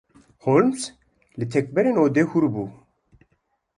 Holmes li tekberên odê hûr bû.